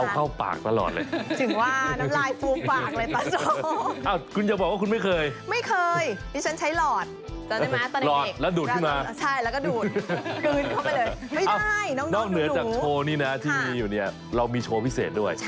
เป็นจากโชว์นี่นะที่มีอยู่นี่เรามีโชว์พิเศษด้วย